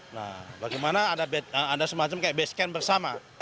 nah bagaimana ada semacam base camp bersama